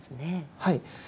はい。